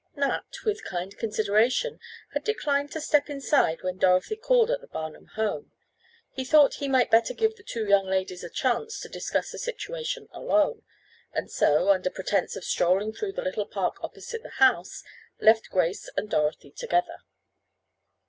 Nat, with kind consideration, had declined to step inside when Dorothy called at the Barnum home. He thought he might better give the two young ladies a chance to discuss the situation alone, and so, under pretense of strolling through the little park opposite the house, left Grace and Dorothy together.